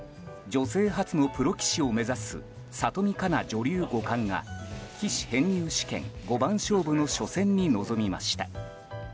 女性初のプロ棋士を目指す里見香奈女流五冠が棋士編入試験五番勝負の初戦に臨みました。